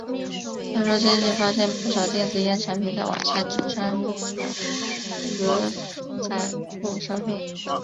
他说最近发现不少电子烟产品在网上及商场格仔铺销售。